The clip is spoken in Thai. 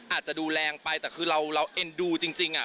อาจจะดูแรงไปแต่คือเราเอ็นดูจริงอ่ะ